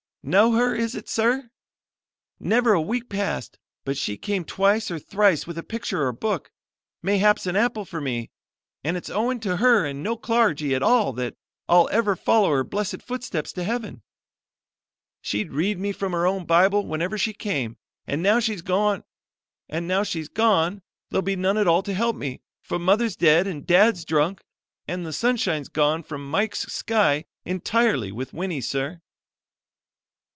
"Know her, is it sir? Never a week passed but what she came twice or thrice with a picture or book, mayhaps an apple for me, an' it's owing to her an' no clargy at all that I'll ever follow her blessed footsteps to heaven. She'd read me from her own Bible whenever she came, an' now she's gone there'll be none at all to help me, for mother's dead an' dad's drunk, an' the sunshine's gone from Mike's sky intirely with Winnie, sir."